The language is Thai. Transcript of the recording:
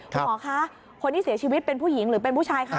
หมอคะคนที่เสียชีวิตเป็นผู้หญิงหรือเป็นผู้ชายคะ